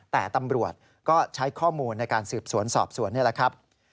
แต่ตำรวจก็ใช้ข้อมูลในการสืบสวนสอบสวนนี่แหละครับ